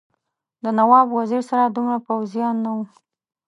د نواب وزیر سره دومره پوځیان نه وو.